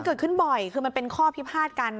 เกิดขึ้นบ่อยคือมันเป็นข้อพิพาทกัน